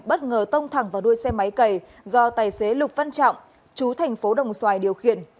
bất ngờ tông thẳng vào đuôi xe máy cầy do tài xế lục văn trọng chú thành phố đồng xoài điều khiển